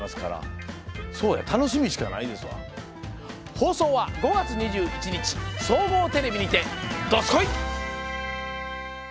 放送は５月２１日総合テレビにて、どすこい！